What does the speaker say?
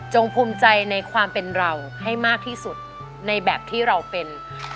ภูมิใจในความเป็นเราให้มากที่สุดในแบบที่เราเป็น